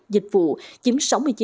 dịch vụ chiếm sáu mươi chín năm mươi tám